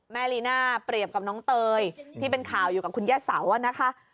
ลีน่าเปรียบกับน้องเตยที่เป็นข่าวอยู่กับคุณย่าเสาอะนะคะ